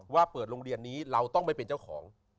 ว่าเปิดโรงเรียนนี้เราต้องไม่เป็นเจ้าของ